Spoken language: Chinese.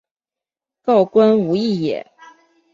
告官无益也。